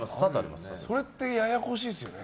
それってややこしいですよね。